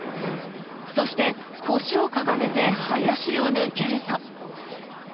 そして腰をかがめて林を抜けると。